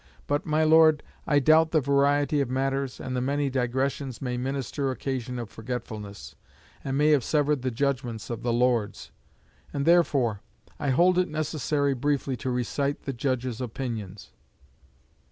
But, my Lord, I doubt the variety of matters and the many digressions may minister occasion of forgetfulness, and may have severed the judgments of the Lords; and therefore I hold it necessary briefly to recite the Judges' opinions.'